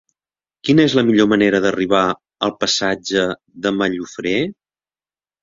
Quina és la millor manera d'arribar al passatge de Mallofré?